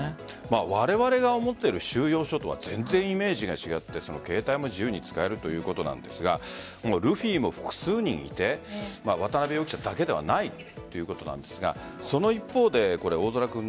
われわれが思っている収容所とは全然イメージが違って携帯も自由に使えるということなんですがルフィも複数人いて渡辺容疑者だけではないということなんですがその一方で、大空君。